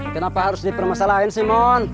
kenapa harus dipermasalahin sih mohon